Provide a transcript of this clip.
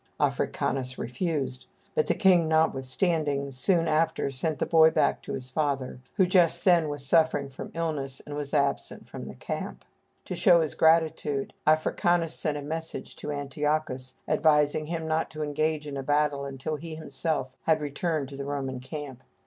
Africanus refused; but the king, notwithstanding, soon after sent the boy back to his father, who just then was suffering from illness, and was absent from the camp. To show his gratitude, Africanus sent a message to Antiochus, advising him not to engage in a battle until he himself had returned to the Roman camp.